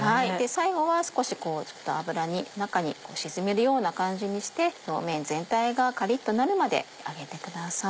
最後は少しちょっと油に中に沈めるような感じにして表面全体がカリっとなるまで揚げてください。